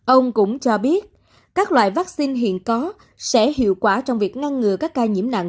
ông cũng cho biết các loại vaccine hiện có sẽ hiệu quả trong việc ngăn ngừa các ca nhiễm nặng